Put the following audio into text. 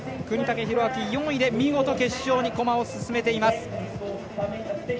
國武大晃、４位で見事、決勝に駒を進めています。